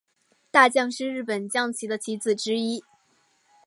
大将是日本将棋的棋子之一。